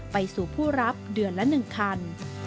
ไปสู่ผู้รับเดือนละ๑คัน